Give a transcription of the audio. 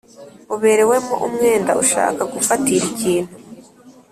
Uberewemo umwenda ushaka gufatira ikintu